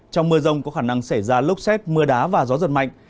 trong mưa rông có khả năng xảy ra lốc xét mưa đá và gió giật mạnh